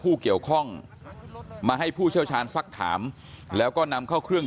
ผู้เกี่ยวข้องมาให้ผู้เชี่ยวชาญสักถามแล้วก็นำเข้าเครื่อง